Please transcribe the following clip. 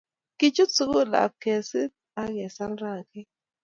kii chut sugul ab ke sir ak kesal rangik